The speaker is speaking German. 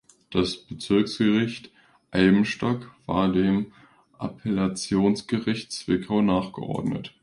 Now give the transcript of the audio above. Das Bezirksgericht Eibenstock war dem Appellationsgericht Zwickau nachgeordnet.